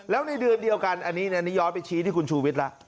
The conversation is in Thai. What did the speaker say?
แล้วในเดือนเดียวกันอันนี้ย้อนไปชี้ที่คุณชูวิทย์แล้ว